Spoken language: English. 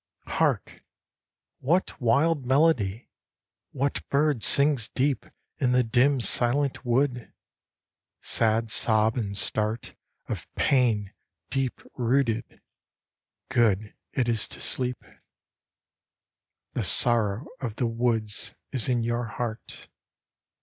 Hark ! what wild melody, what bird sings deep In the dim, silent wood ? Sad sob and start Of pain, deep rooted, good it is to sleep. The sorrow of the woods is in your heart.